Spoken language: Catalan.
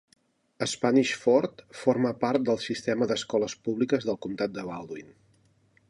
Spanish Fort forma part del sistema d'escoles públiques del comtat de Baldwin.